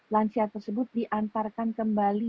lansia tersebut diantarkan kembali